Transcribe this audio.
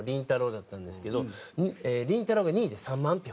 だったんですけどりんたろー。が２位で３万票。